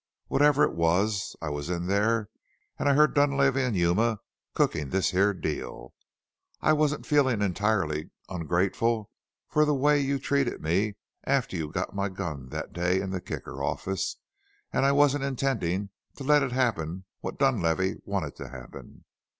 Whatever it was, I was in there, an' I heard Dunlavey an' Yuma cookin' this here deal. I wasn't feelin' entirely ongrateful for the way you'd treated me after you'd got my gun that day in the Kicker office an' I wasn't intendin' to let happen what Dunlavey wanted to happen.